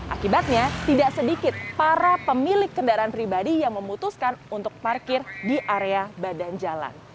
akibatnya tidak sedikit para pemilik kendaraan pribadi yang memutuskan untuk parkir di area badan jalan